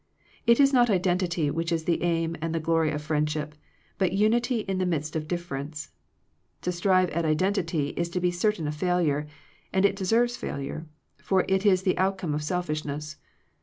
It is not identity which is the aim and the glory of friendship, but unity in the midst of difference. To strive at identity is to be certain of failure, and it deserves failure; for it is the outcome of selfishness.